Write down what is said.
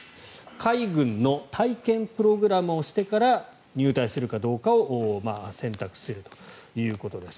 海軍の体験プログラムをしてから入隊するかどうかを選択するということです。